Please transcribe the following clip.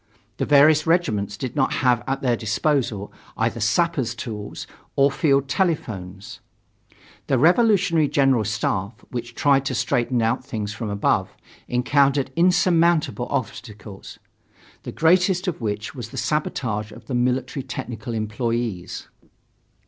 The various regiments did not have at their disposal either sappers' tools or field telephones. The Revolutionary General Staff, which tried to straighten out things from above, encountered insurmountable obstacles, the greatest of which was the sabotage of the military technical employees.